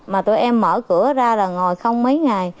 mà tụi em mở cửa ra là ngồi không mấy ngày